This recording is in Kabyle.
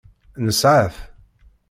Nesεa-t.